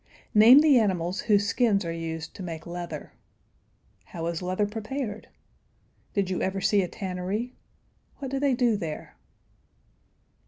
"] Name the animals whose skins are used to make leather. How is leather prepared? Did you ever see a tannery? What do they do there?